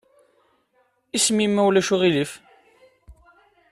Isem-im ma ulac aɣilif?